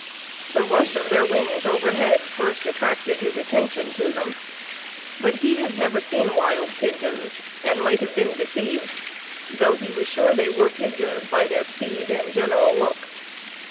The rush of their wings overhead first attracted his attention to them. But he had never seen wild pigeons, and might have been deceived, though he was sure they were pigeons by their speed and general look.